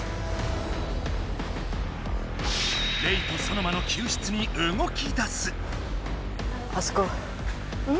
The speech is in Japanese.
レイとソノマの救出にうごきだす。